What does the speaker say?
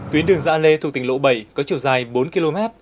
tuyến đường gia lê thuộc tỉnh lộ bảy có chiều dài bốn km